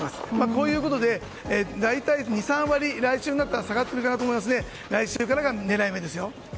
こういうことで大体２３割、来週になったら下がってくるかなと思いますので来週からが狙い目です。